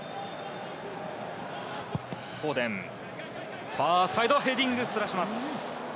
ファーサイド、ヘディングすらします。